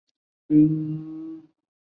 这个任务的一部分还包括飞越金星。